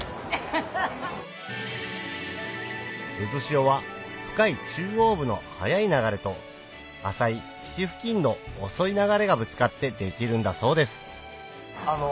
渦潮は深い中央部の速い流れと浅い岸付近の遅い流れがぶつかってできるんだそうです